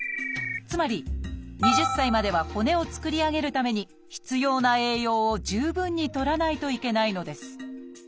つまり２０歳までは骨を作り上げるために必要な栄養を十分にとらないといけないのです。